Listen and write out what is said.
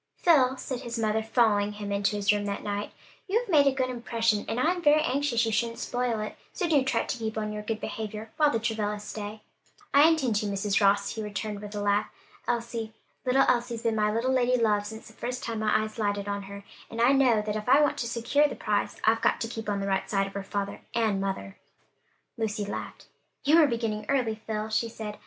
"Phil," said his mother, following him into his room that night, "you have made a good impression, and I'm very anxious you shouldn't spoil it; so do try to keep on your good behavior while the Travillas stay." "I intend to, Mrs. Ross," he returned, with a laugh. Elsie, little Elsie's been my little lady love since the first time my eyes lighted on her, and I know that if I want to secure the prize, I've got to keep on the right side of her father and mother." Lucy laughed. "You are beginning early, Phil," she said.